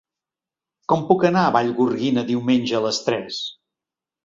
Com puc anar a Vallgorguina diumenge a les tres?